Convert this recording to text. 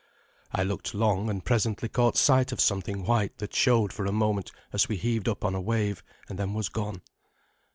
I looked long, and presently caught sight of something white that showed for a moment as we heaved up on a wave, and then was gone.